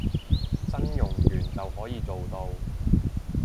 真冗員就可以做到